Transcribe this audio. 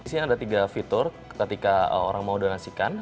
di sini ada tiga fitur ketika orang mau donasikan